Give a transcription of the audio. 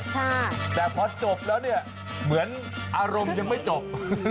แต่พอจบแล้วเนี่ยเหมือนอารมณ์ยังไม่จบ